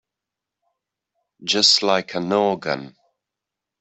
Just like an organ.